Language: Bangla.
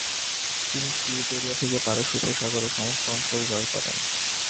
তিনি সির দরিয়া থেকে পারস্য উপসাগরের সমস্ত অঞ্চল জয় করেন।